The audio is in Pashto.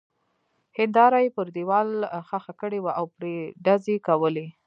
هېنداره يې پر دېوال ښخه کړې وه او پرې ډزې کولې.